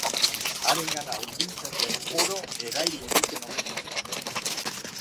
Harengana hurbiltzen den oro erail egiten omen du.